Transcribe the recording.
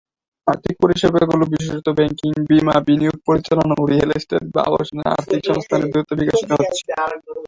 আর্থিক পরিষেবাগুলি, বিশেষত ব্যাংকিং, বীমা, বিনিয়োগ পরিচালনা ও রিয়েল এস্টেট বা আবাসনের আর্থিক সংস্থান দ্রুত বিকশিত হচ্ছে।